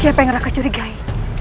siapa yang raka curigai